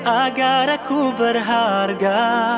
agar aku berharga